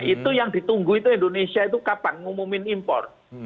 itu yang ditunggu itu indonesia itu kapan ngumumin impor